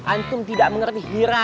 antum tidak mengerti hirarki